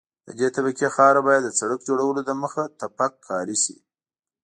د دې طبقې خاوره باید د سرک جوړولو دمخه تپک کاري شي